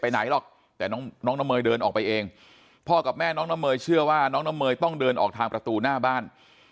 ไหนหรอกแต่น้องน้ำเมยเดินออกไปเองพ่อกับแม่น้องน้ำเมยเชื่อว่าน้องน้ำเมยต้องเดินออกทางประตูหน้าบ้าน